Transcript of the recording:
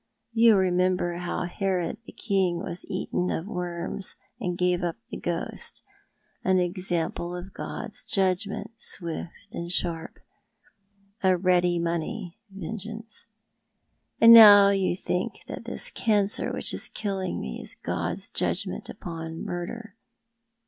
You remember how Herod the king was eaten of worms, and gave up the ghost ^an example of God's judgment, swift and sharp— a ready money vengeance. And you tljink that this cancer which is killing me is God's judgment upon murder.